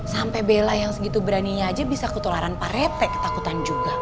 sampai bela yang segitu beraninya aja bisa ketularan parepe ketakutan juga